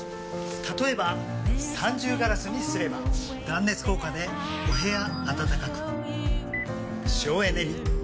例えば三重ガラスにすれば断熱効果でお部屋暖かく省エネに。